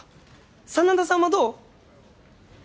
真田さんもどう？